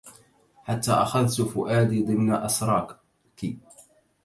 حتى أخذت فؤادي ضمن أسراكِ